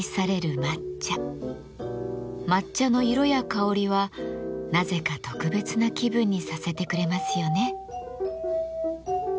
抹茶の色や香りはなぜか特別な気分にさせてくれますよね。